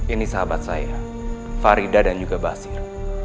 ini sahabat saya farida dan juga basir